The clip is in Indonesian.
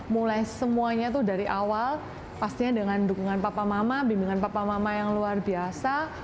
mulai semuanya tuh dari awal pastinya dengan dukungan papa mama bimbingan papa mama yang luar biasa